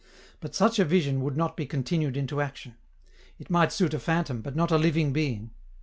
But such a vision would not be continued into action; it might suit a phantom, but not a living being.